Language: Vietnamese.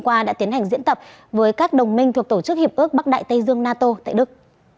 các bệnh viện trợ đã tiến hành diễn tập với các đồng minh thuộc tổ chức hiệp ước bắc đại tây dương nato tại đức